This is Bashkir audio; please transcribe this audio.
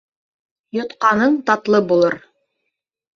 Йотҡаның татлы булыр.